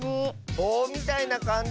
ぼうみたいなかんじ？